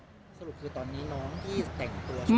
สรุปคือตอนนี้น้องที่แต่งตัว